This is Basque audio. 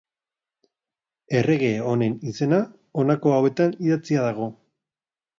Errege honen izena, honako hauetan idatzia dago.